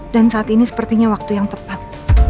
dan saat ini sepertinya waktu yang tepat